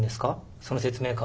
その説明会。